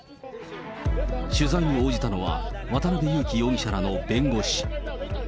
取材に応じたのは、渡辺優樹容疑者らの弁護士。